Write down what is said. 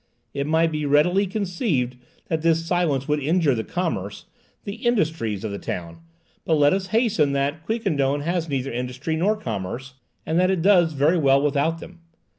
It might be readily conceived that this silence would injure the commerce, the industries, of the town. But let us hasten to add that Quiquendone has neither industry nor commerce, and that it does very well without them.